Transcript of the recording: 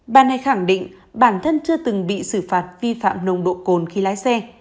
bà này khẳng định bản thân chưa từng bị xử phạt vi phạm nồng độ cồn khi lái xe